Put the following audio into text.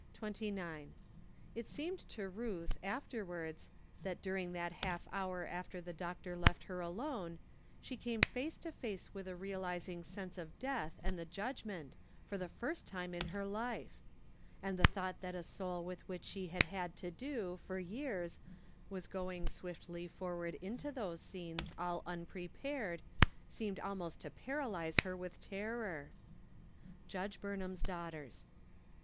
29. It seemed to Ruth, afterwards, that during that half hour after the doctor left her alone, she came face to face with a realiz¬ ing sense of death and the judgment, for the first time in her life I And the thought that a soul with which she had had to do, for years, was going swiftly forward into those scenes, all unprepared, seemed almost to paralyze her with terror. Judge Burnham's Daughters.